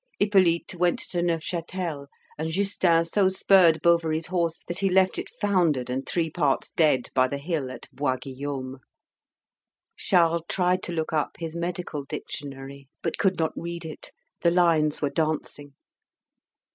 Hippolyte went to Neufchâtel, and Justin so spurred Bovary's horse that he left it foundered and three parts dead by the hill at Bois Guillaume. Charles tried to look up his medical dictionary, but could not read it; the lines were dancing.